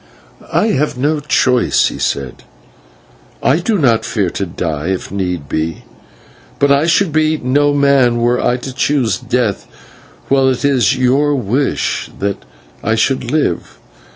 "I have no choice," he said. "I do not fear to die if need be, but I should be no man were I to choose death while it is your wish that I should live.